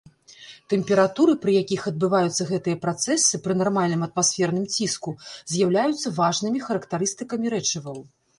Тэмпературы, пры якіх адбываюцца гэтыя працэсы пры нармальным атмасферным ціску з'яўляюцца важнымі характарыстыкамі рэчываў.